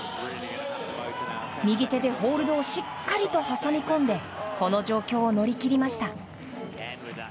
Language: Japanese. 右手でホールドをしっかりと挟み込んでこの状況を乗り切りました。